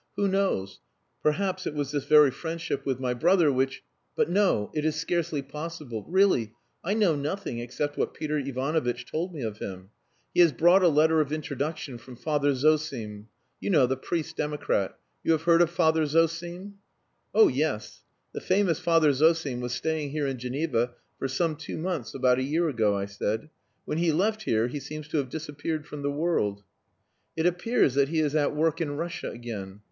Who knows! Perhaps it was this very friendship with my brother which.... But no! It is scarcely possible. Really, I know nothing except what Peter Ivanovitch told me of him. He has brought a letter of introduction from Father Zosim you know, the priest democrat; you have heard of Father Zosim?" "Oh yes. The famous Father Zosim was staying here in Geneva for some two months about a year ago," I said. "When he left here he seems to have disappeared from the world." "It appears that he is at work in Russia again.